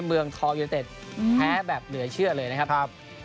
เมืองทองยูเต็ดแพ้แบบเหนือเชื่อเลยนะครับ